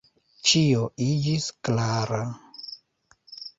Ĉio iĝis klara.